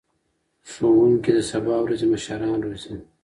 ښوونکي د سبا ورځې مشران روزي.